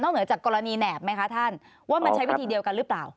เหนือจากกรณีแหนบไหมคะท่านว่ามันใช้วิธีเดียวกันหรือเปล่า